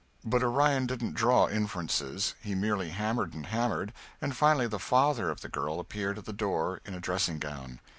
But Orion didn't draw inferences, he merely hammered and hammered, and finally the father of the girl appeared at the door in a dressing gown.